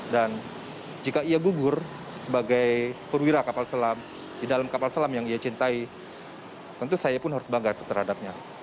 dan jika ia gugur sebagai perwira kapal selam di dalam kapal selam yang ia cintai tentu saya pun harus bangga terhadapnya